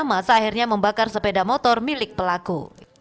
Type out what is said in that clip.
masa akhirnya membakar sepeda motor milik pelaku